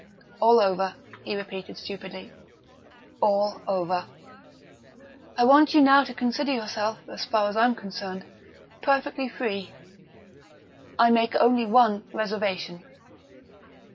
"All over," he repeated stupidly. "All over. I want you now to consider yourself, as far as I'm concerned, perfectly free. I make only one reservation."